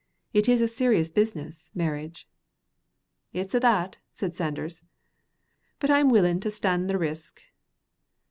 It is a serious business, marriage." "It's a' that," said Sanders; "but I'm willin' to stan' the risk."